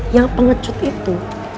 yang pengecut itu